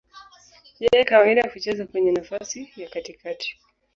Yeye kawaida hucheza kwenye nafasi ya katikati.